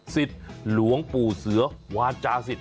สิทธิ์หลวงปู่เสือวาจาสิทธิ์